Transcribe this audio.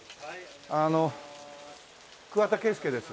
あの桑田佳祐です。